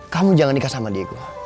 kamu jangan nikah sama diego